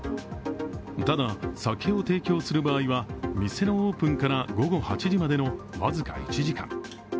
ただ、酒を提供する場合は店のオープンから午後８時までの僅か１時間。